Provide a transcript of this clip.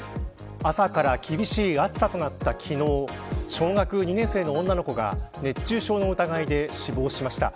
朝から厳しい暑さとなった昨日小学２年生の女の子が熱中症の疑いで死亡しました。